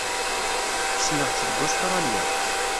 Ssneɣ-tt deg Ustṛalya.